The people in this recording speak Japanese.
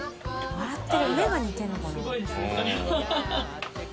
笑ってる目が似てるのかな？